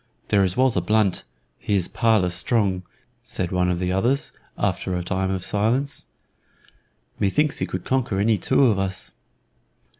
"There is Walter Blunt; he is parlous strong," said one of the others, after a time of silence. "Methinks he could conquer any two of us."